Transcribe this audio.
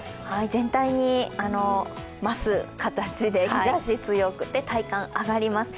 全体に増す形で、日ざし強くて体感、上がります。